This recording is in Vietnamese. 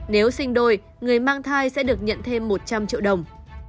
nếu sinh đôi người mang thai sẽ được nhận thêm một trăm linh triệu đồng